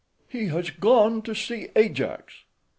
"He has gone to see Ajax."